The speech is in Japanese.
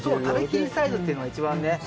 食べきりサイズっていうのが一番ね。